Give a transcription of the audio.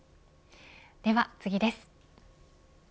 では次です。